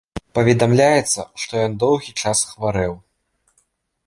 Паведамляецца, што ён доўгі час хварэў.